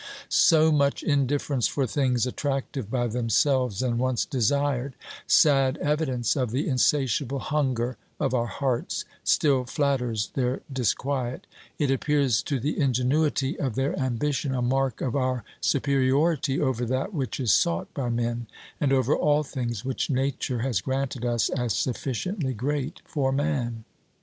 So much indifference for things attractive by themselves and once desired, sad evidence of the insatiable hunger of our hearts, still flatters their disquiet ; it appears to the ingenuity of their ambition a mark of our superiority over that which is sought by men, and over all things which Nature has granted us as sufficiently great for man.